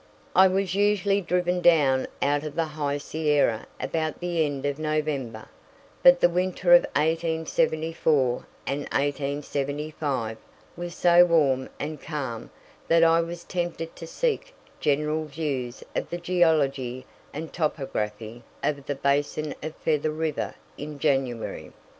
I was usually driven down out of the High Sierra about the end of November, but the winter of 1874 and 1875 was so warm and calm that I was tempted to seek general views of the geology and topography of the basin of Feather River in January.